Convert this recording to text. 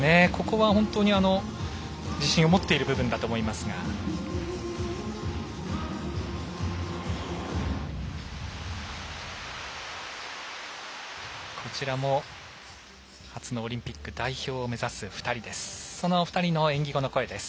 こちらも初のオリンピック代表を目指す２人です。